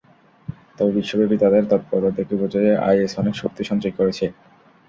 তবে বিশ্বব্যাপী তাদের তৎপরতা দেখে বোঝা যায়, আইএস অনেক শক্তি সঞ্চয় করেছে।